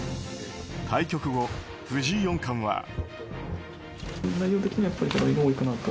対局後、藤井四冠は。